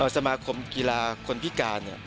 สมาคมกีฬาคนพิการ